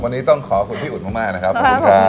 วันนี้ต้องขอบคุณพี่อุ่นมากนะครับขอบคุณครับ